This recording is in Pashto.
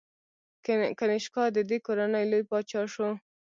کنیشکا د دې کورنۍ لوی پاچا شو